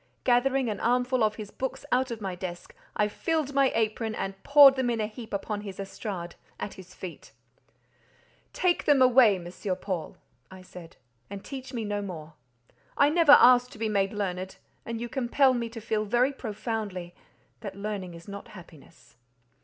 Gathering an armful of his books out of my desk, I filled my apron and poured them in a heap upon his estrade, at his feet. "Take them away, M. Paul," I said, "and teach me no more. I never asked to be made learned, and you compel me to feel very profoundly that learning is not happiness."